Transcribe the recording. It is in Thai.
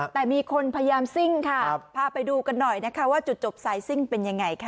แต่มีคนพยายามซิ่งค่ะพาไปดูกันหน่อยนะคะว่าจุดจบสายซิ่งเป็นยังไงค่ะ